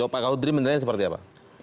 pak kudri menanyakan seperti apa